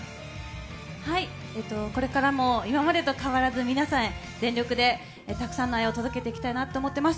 これからも今までと変わらず皆さんへ全力でたくさんの愛を届けていきたいなと思っています。